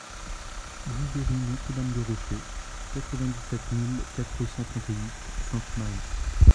douze rue Notre Dame des Rochers, quatre-vingt-dix-sept mille quatre cent trente-huit Sainte-Marie